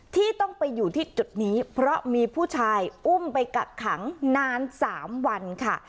ที่ต้องไปอยู่ที่จุดนี้เพราะมีผู้ชายอุ้มไปกักขังนาน๓วันค่ะ